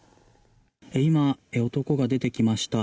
今、男が出てきました。